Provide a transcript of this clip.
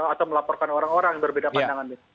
atau melaporkan orang orang yang berbeda pandangan